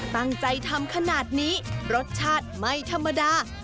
ตั้งใจทำขนาดนี้รสชาติไม่ธรรมดา